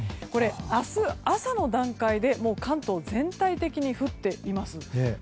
明日朝の段階で関東、全体的に降っています。